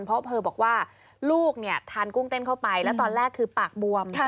เพราะเธอบอกว่าลูกเนี่ยทานกุ้งเต้นเข้าไปแล้วตอนแรกคือปากบวม